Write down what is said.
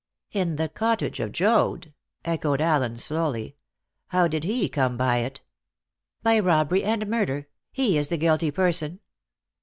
"In the cottage of Joad?" echoed Allen slowly. "How did he come by it?" "By robbery and murder. He is the guilty person."